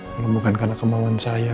kalau bukan karena kemauan saya